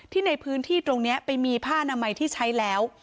ในพื้นที่ตรงนี้ไปมีผ้านามัยที่ใช้แล้ว